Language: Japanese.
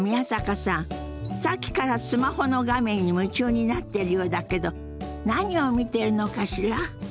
さっきからスマホの画面に夢中になってるようだけど何を見てるのかしら？